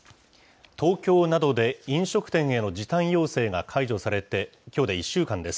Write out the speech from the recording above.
東京などで飲食店への時短要請が解除されて、きょうで１週間です。